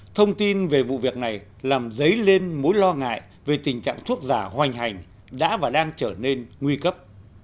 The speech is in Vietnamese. thông tin về vụ việc này làm dấy lên mối lo ngại về tình trạng thuốc giả hoành hành đã và đang trở nên nguy cấp